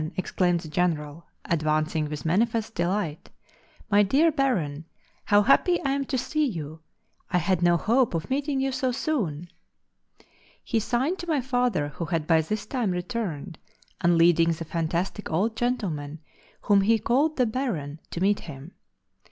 exclaimed the General, advancing with manifest delight. "My dear Baron, how happy I am to see you, I had no hope of meeting you so soon." He signed to my father, who had by this time returned, and leading the fantastic old gentleman, whom he called the Baron to meet him.